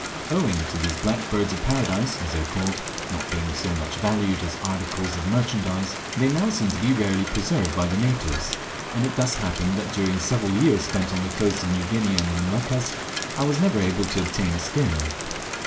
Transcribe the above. Owing to these "Black Birds of Paradise," as they are called, not being so much valued as articles of merchandise, they now seem to be rarely preserved by the natives, and it thus happened that during several years spent on the coasts of New Guinea and in the Moluccas I was never able to obtain a skin.